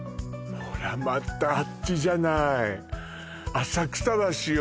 ほらまたあっちじゃない浅草橋よ